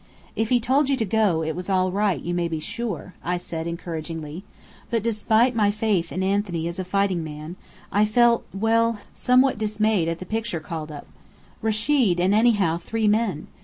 "If he told you to go it was all right, you may be sure," I said encouragingly. But despite my faith in Anthony as a fighting man, I felt well, somewhat dismayed at the picture called up. "Rechid and anyhow three men!"